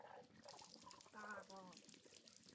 Su buque recibió tres disparos sobre la línea de flotación.